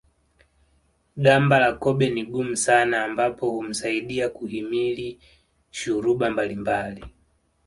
Gamba la kobe ni gumu sana ambapo humsaidia kuhimili shuruba mbalimbali